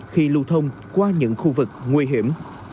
khi lưu thông qua những khu vực nguy hiểm